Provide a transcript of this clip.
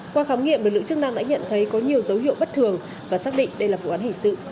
qua khám nghiệm lực lượng chức năng đã nhận thấy có nhiều dấu hiệu bất thường và xác định đây là vụ án hình sự